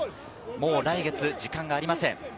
もう来月、時間がありません。